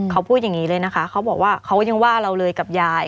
เขาพูดอย่างนี้เลยนะคะเขาบอกว่าเขายังว่าเราเลยกับยาย